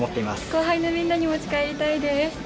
後輩のみんなに持ち帰りたいです。